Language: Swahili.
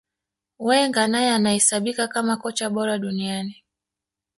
Wenger naye anahesabika kama kocha bora duniani